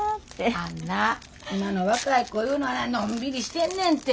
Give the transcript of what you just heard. あんな今の若い子いうのはなのんびりしてんねんて。